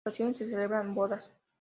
En ocasiones se celebran bodas.